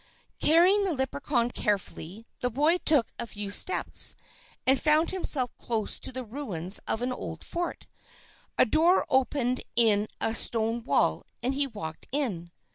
Carrying the Leprechaun carefully, the boy took a few steps, and found himself close to the ruins of an old fort. A door opened in a stone wall, and he walked in.